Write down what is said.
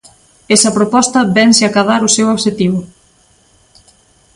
Esa proposta vén se acadar o seu obxectivo.